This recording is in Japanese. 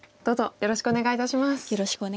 よろしくお願いします。